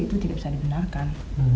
itu tidak bisa dibenarkan